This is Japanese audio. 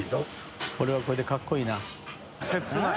これはこれでかっこいいな切ない。